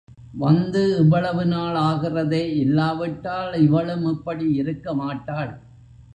வந்து இவ்வளவு நாள் ஆகிறதே இல்லாவிட்டால் இவளும் இப்படி இருக்கமாட்டாள்.